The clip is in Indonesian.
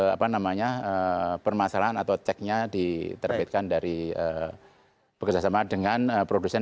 apa namanya permasalahan atau ceknya diterbitkan dari bekerjasama dengan produsen